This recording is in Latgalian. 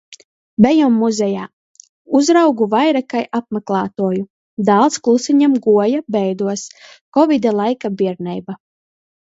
Bejom muzejā. Uzraugu vaira kai apmaklātuoju, dāls kluseņom guoja - beiduos. Kovida laika bierneiba.